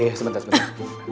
eh sebentar sebentar